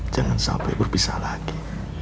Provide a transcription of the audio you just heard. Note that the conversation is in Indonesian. jangan sampai berpisah lagi